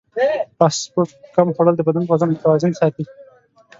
فاسټ فوډ کم خوړل د بدن وزن متوازن ساتي.